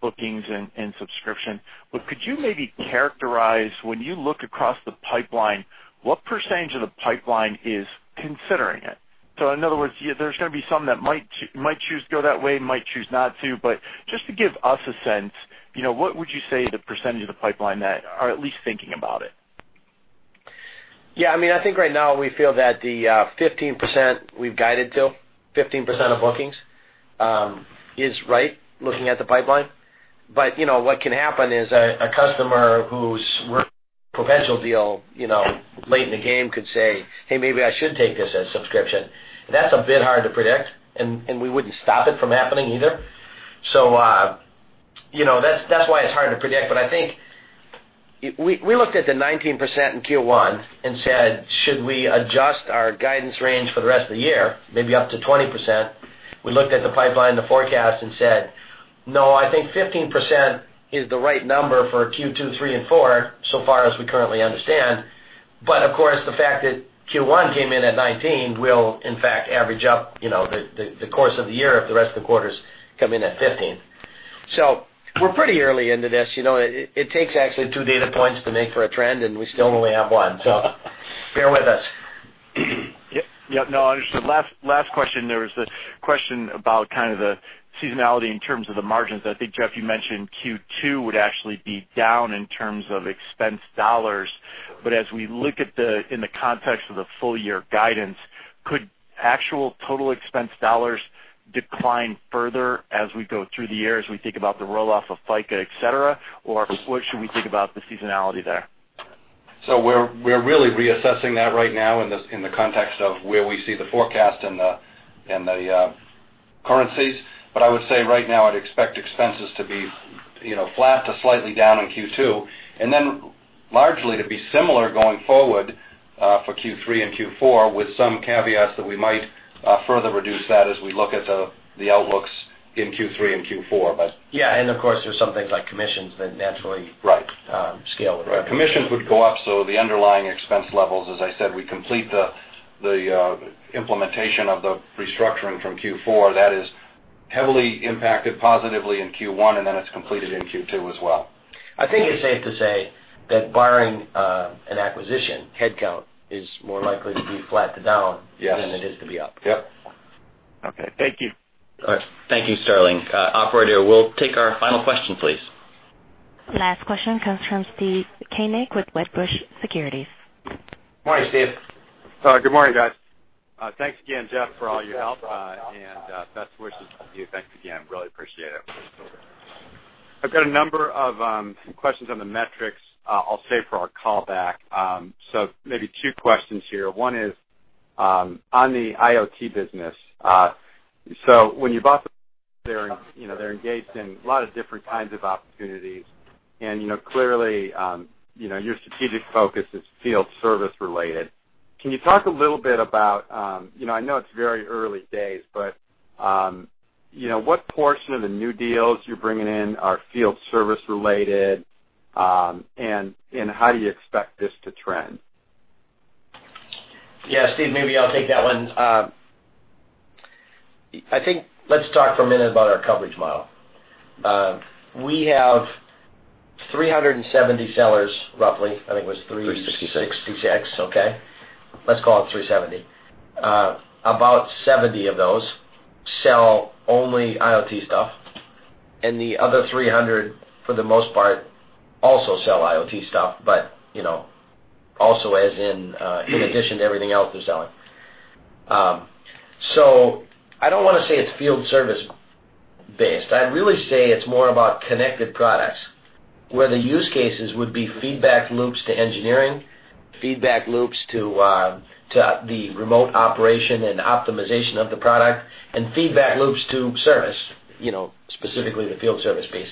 bookings and subscription. Could you maybe characterize when you look across the pipeline, what % of the pipeline is considering it? In other words, there's going to be some that might choose to go that way, might choose not to. Just to give us a sense, what would you say the % of the pipeline that are at least thinking about it? I think right now we feel that the 15% we've guided to, 15% of bookings, is right looking at the pipeline. What can happen is a customer whose potential deal late in the game could say, "Hey, maybe I should take this as subscription." That's a bit hard to predict, and we wouldn't stop it from happening either. That's why it's hard to predict. I think we looked at the 19% in Q1 and said, "Should we adjust our guidance range for the rest of the year, maybe up to 20%?" We looked at the pipeline, the forecast, and said, "No, I think 15% is the right number for Q2, 3, and 4 so far as we currently understand." Of course, the fact that Q1 came in at 19% will in fact average up the course of the year if the rest of the quarters come in at 15%. We're pretty early into this. It takes actually two data points to make for a trend, and we still only have one. Bear with us. Understood. Last question there was the question about kind of the seasonality in terms of the margins. I think, Jeff, you mentioned Q2 would actually be down in terms of expense dollars. As we look in the context of the full-year guidance, could actual total expense dollars decline further as we go through the year, as we think about the roll-off of FICA, et cetera? What should we think about the seasonality there? We're really reassessing that right now in the context of where we see the forecast and the currencies. I would say right now I'd expect expenses to be flat to slightly down in Q2, and then largely to be similar going forward for Q3 and Q4 with some caveats that we might further reduce that as we look at the outlooks in Q3 and Q4. Yeah, of course, there's some things like commissions that naturally. Right scale. Right. Commissions would go up. The underlying expense levels, as I said, we complete the implementation of the restructuring from Q4. That is heavily impacted positively in Q1, and then it's completed in Q2 as well. I think it's safe to say that barring an acquisition, headcount is more likely to be flat to down. Yes Than it is to be up. Yep. Okay. Thank you. All right. Thank you, Sterling. Operator, we'll take our final question, please. Last question comes from Steve Koenig with Wedbush Securities. Morning, Steve. Good morning, guys. Thanks again, Jeff, for all your help, and best wishes to you. Thanks again. Really appreciate it. I've got a number of questions on the metrics I'll save for our call back. Maybe two questions here. One is, on the IoT business. When you bought them, they're engaged in a lot of different kinds of opportunities, and clearly, your strategic focus is field service related. Can you talk a little bit about, I know it's very early days, but what portion of the new deals you're bringing in are field service related, and how do you expect this to trend? Yeah, Steve, maybe I'll take that one. I think let's talk for a minute about our coverage model. We have 370 sellers, roughly. 366. 366. Okay. Let's call it 370. About 70 of those sell only IoT stuff, and the other 300, for the most part, also sell IoT stuff, but also as in addition to everything else they're selling. I don't want to say it's field service based. I'd really say it's more about connected products, where the use cases would be feedback loops to engineering, feedback loops to the remote operation and optimization of the product, and feedback loops to service, specifically the field service piece.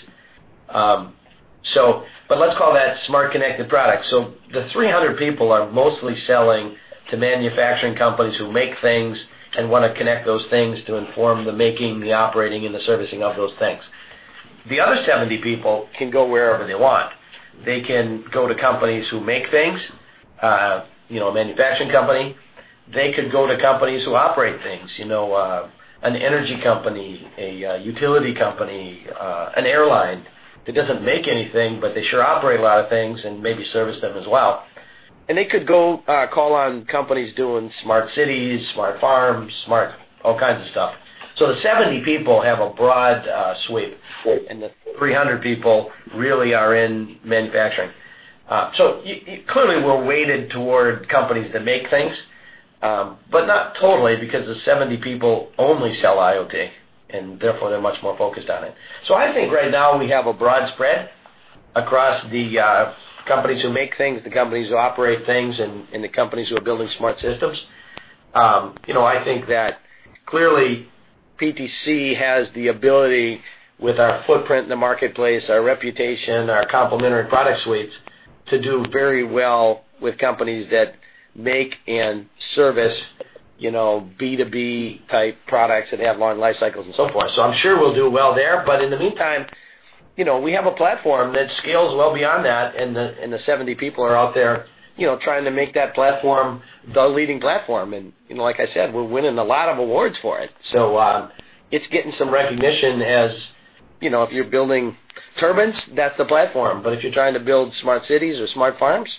Let's call that smart connected product. The 300 people are mostly selling to manufacturing companies who make things and want to connect those things to inform the making, the operating, and the servicing of those things. The other 70 people can go wherever they want. They can go to companies who make things, a manufacturing company. They could go to companies who operate things, an energy company, a utility company, an airline that doesn't make anything, but they sure operate a lot of things and maybe service them as well. They could go call on companies doing smart cities, smart farms, smart all kinds of stuff. The 70 people have a broad sweep, and the 300 people really are in manufacturing. Clearly, we're weighted toward companies that make things. Not totally, because the 70 people only sell IoT, and therefore they're much more focused on it. I think right now we have a broad spread across the companies who make things, the companies who operate things, and the companies who are building smart systems. I think that clearly PTC has the ability, with our footprint in the marketplace, our reputation, our complementary product suites, to do very well with companies that make and service B2B-type products that have long life cycles and so forth. I'm sure we'll do well there. In the meantime, we have a platform that scales well beyond that, and the 70 people are out there trying to make that platform the leading platform, and like I said, we're winning a lot of awards for it. It's getting some recognition as if you're building turbines, that's the platform. If you're trying to build smart cities or smart farms,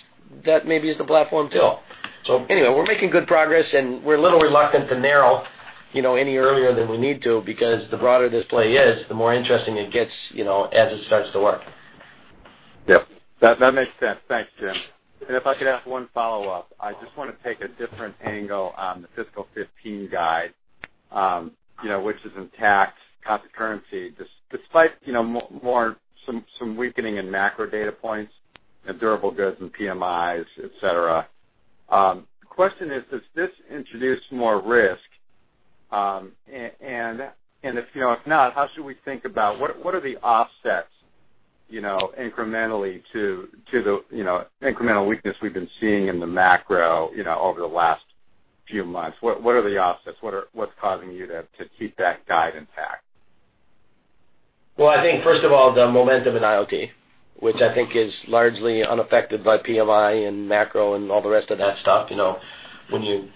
that maybe is the platform, too. Anyway, we're making good progress, and we're a little reluctant to narrow any earlier than we need to, because the broader this play is, the more interesting it gets as it starts to work. Yep. That makes sense. Thanks, Jim. If I could ask one follow-up. I just want to take a different angle on the fiscal 2015 guide, which is intact currency. Despite more some weakening in macro data points and durable goods and PMIs, et cetera. Question is, does this introduce more risk? If not, how should we think about what are the offsets incrementally to the incremental weakness we've been seeing in the macro over the last few months? What are the offsets? What's causing you to keep that guide intact? I think first of all, the momentum in IoT, which I think is largely unaffected by PMI and macro and all the rest of that stuff. When you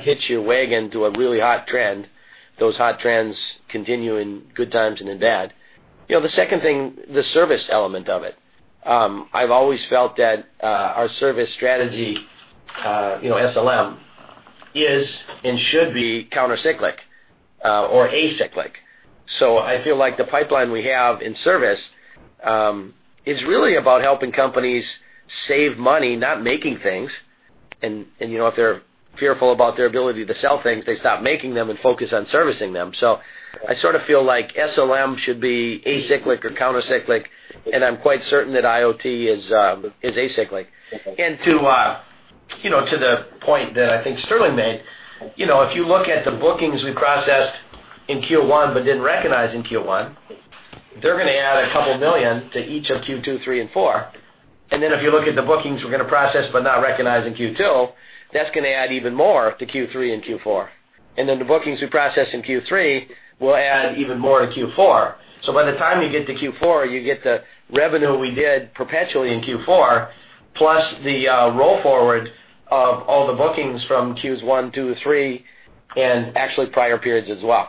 hitch your wagon to a really hot trend, those hot trends continue in good times and in bad. The second thing, the service element of it. I've always felt that our service strategy, SLM, is and should be counter-cyclic. Or acyclic. I feel like the pipeline we have in service is really about helping companies save money, not making things. If they're fearful about their ability to sell things, they stop making them and focus on servicing them. I sort of feel like SLM should be acyclic or counter-cyclic, and I'm quite certain that IoT is acyclic. To the point that I think Sterling made, if you look at the bookings we processed in Q1 but didn't recognize in Q1, they're going to add a couple million to each of Q2, Q3, and Q4. If you look at the bookings we're going to process but not recognize in Q2, that's going to add even more to Q3 and Q4. The bookings we process in Q3 will add even more to Q4. By the time you get to Q4, you get the revenue we did perpetually in Q4, plus the roll forward of all the bookings from Qs one, two, three and actually prior periods as well.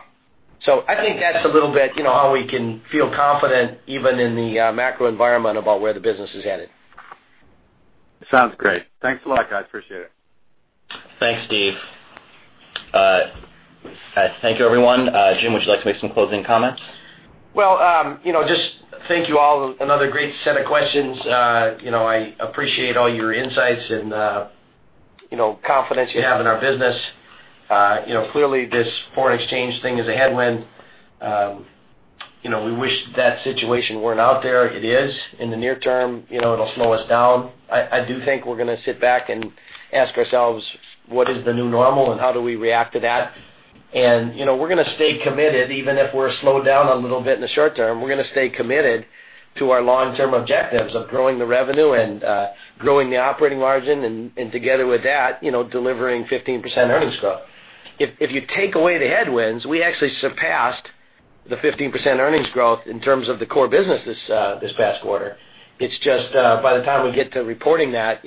I think that's a little bit how we can feel confident even in the macro environment about where the business is headed. Sounds great. Thanks a lot, guys. Appreciate it. Thanks, Steve. Thank you, everyone. Jim, would you like to make some closing comments? Just thank you all. Another great set of questions. I appreciate all your insights and confidence you have in our business. Clearly, this foreign exchange thing is a headwind. We wish that situation weren't out there. It is. In the near term, it'll slow us down. I do think we're going to sit back and ask ourselves what is the new normal and how do we react to that? We're going to stay committed even if we're slowed down a little bit in the short term. We're going to stay committed to our long-term objectives of growing the revenue and growing the operating margin and together with that, delivering 15% earnings growth. If you take away the headwinds, we actually surpassed the 15% earnings growth in terms of the core business this past quarter. It's just by the time we get to reporting that,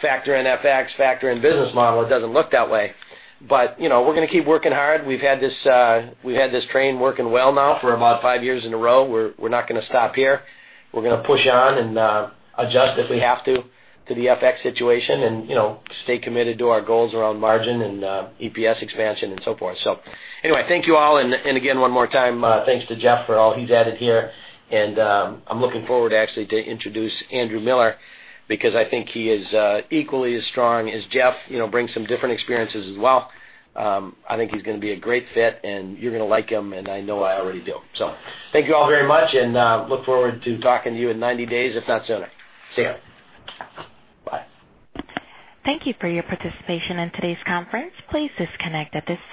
factor in FX, factor in business model, it doesn't look that way. We're going to keep working hard. We've had this train working well now for about five years in a row. We're not going to stop here. We're going to push on and adjust if we have to the FX situation and stay committed to our goals around margin and EPS expansion and so forth. Anyway, thank you all and again one more time, thanks to Jeff for all he's added here and I'm looking forward actually to introduce Andrew Miller because I think he is equally as strong as Jeff, brings some different experiences as well. I think he's going to be a great fit and you're going to like him and I know I already do. Thank you all very much and look forward to talking to you in 90 days, if not sooner. See you. Bye. Thank you for your participation in today's conference. Please disconnect at this time